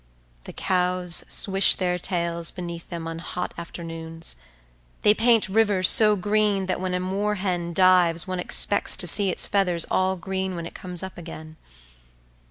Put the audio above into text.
The cows swish their tails beneath them on hot afternoons; they paint rivers so green that when a moorhen dives one expects to see its feathers all green when it comes up again.